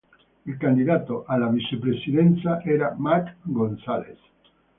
Il candidato alla vicepresidenza era Matt Gonzalez.